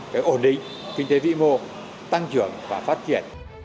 cái ổn định kinh tế vĩ mô tăng trưởng và phát triển